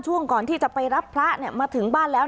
ช่วงก่อนที่จะไปรับพระมาถึงบ้านแล้ว